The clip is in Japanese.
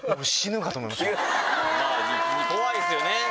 まぁ怖いですよね。